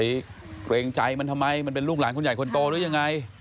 เนี้ยฮะไกลกรงไกลมันทำไมมันเป็นลูกหลานคนใหญ่คนโดด้วยยังไง